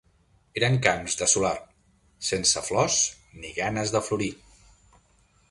Eren camps de solar, sense flors ni ganes de florir